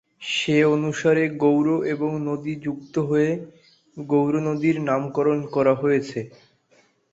সে অনুসারে গৌড় এবং নদী যুক্ত হয়ে "গৌরনদী"র নামকরণ করা হয়েছে।